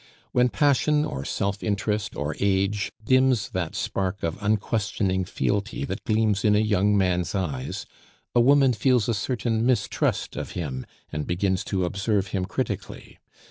When passion, or self interest, or age dims that spark of unquestioning fealty that gleams in a young man's eyes, a woman feels a certain mistrust of him, and begins to observe him critically.